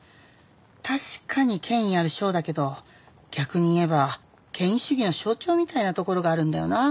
確かに権威ある賞だけど逆に言えば権威主義の象徴みたいなところがあるんだよなあ。